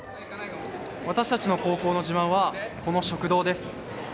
私たちの高校の自慢はこの食堂です。